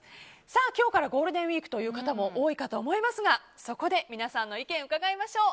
今日からゴールデンウィークという方も多いかと思いますがそこで、皆さんの意見を伺いましょう。